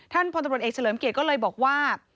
พลตำรวจเอกเฉลิมเกียรติก็เลยบอกว่า